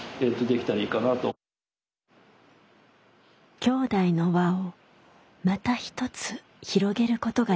きょうだいの輪をまた一つ広げることができました。